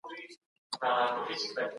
که ماشوم زده کړه له نورو واخلي دا تعليم دی.